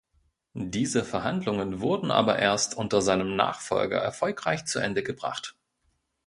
Diese Verhandlungen wurden aber erst unter seinem Nachfolger erfolgreich zu Ende gebracht.